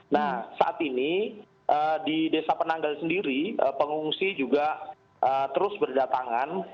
nah saat ini di desa penanggal sendiri pengungsi juga terus berdatangan